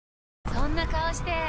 そんな顔して！